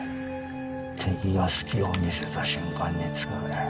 敵が隙を見せた瞬間に使え。